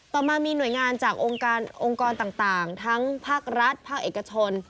ต่อมามีหน่วยงานจากองค์กรต่างทั้งภาครัฐภาคเอกชน